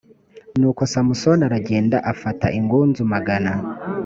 nuko samusoni aragenda afata ingunzu magana